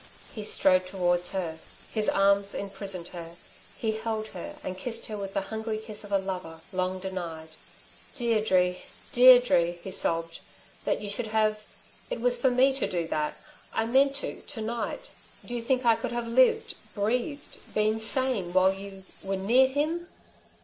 He strode towards her. His arms imprisoned her. He held her, and kissed her with the hungry kiss of a lover, long denied. "Deirdre, Deirdre!" he sobbed. "That you should have It was for me to do that. I meant to, to night. Do you think I could have lived ... breathed ... been sane, while you ... were near him?"